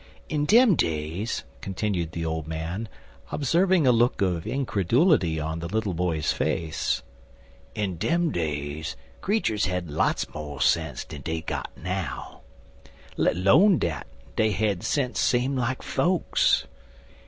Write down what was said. In dem days," continued the old man, observing a look of incredulity on the little boy's face, "in dem days creeturs had lots mo' sense dan dey got now; let 'lone dat, dey had sense same like folks.